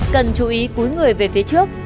cần chú ý cúi người về phía trước